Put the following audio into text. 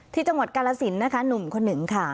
ที่จังหวัดกาลสินนะคะหนุ่มคนหนึ่งค่ะ